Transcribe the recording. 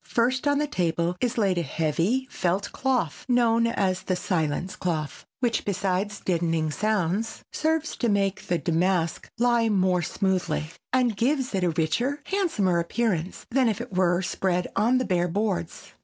First on the table is laid a heavy felt cloth known as the silence cloth, which, besides deadening sounds, serves to make the damask lie more smoothly and gives it a richer, handsomer appearance than if it were spread on the bare boards.